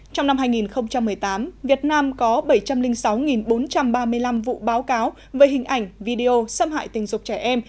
trong năm hai nghìn một mươi tám việt nam có bảy trăm linh sáu bốn trăm ba mươi năm vụ báo cáo về hình ảnh video xâm hại tình dục trẻ em